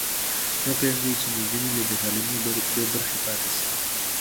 مه پرېږدئ چې نجونې له تعلیمه بې برخې پاتې شي.